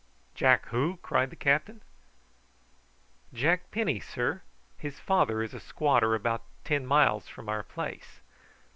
"Jack who?" cried the captain. "Jack Penny, sir. His father is a squatter about ten miles from our place."